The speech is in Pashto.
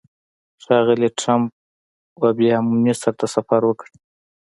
ښاغلی ټرمپ به بیا مصر ته سفر وکړي.